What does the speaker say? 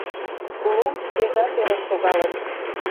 Лом шкежат ӧрын шогалын.